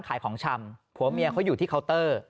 ขายของชำผัวเมียเขาอยู่ที่เคาน์เตอร์